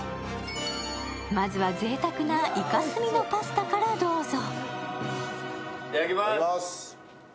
まずは、ぜいたくないかすみのパスタからどうぞ。